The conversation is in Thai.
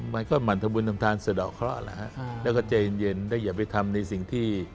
มันก็หมั่นทำบุญทำทานสะดอกเคราะห์แล้วฮะแล้วก็ใจเย็นก็อย่าไปทำในสิ่งที่